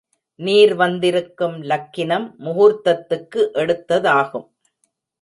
நீர் வந்திருக்கும் லக்கினம் முகூர்த்தத்துக்கு எடுத்ததாகும்.